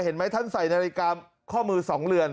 เห็นไหมท่านใส่นาฬิกาข้อมือ๒เหลือน